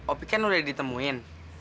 opi kan udah ditemuin